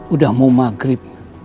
udah mau maghrib